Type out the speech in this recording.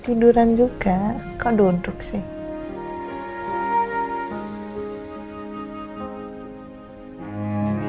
tiduran juga kok duduk sih